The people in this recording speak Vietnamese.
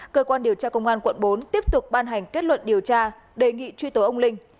cơ quan điều tra công an quận bốn tiếp tục ban hành kết luận điều tra đề nghị truy tố ông linh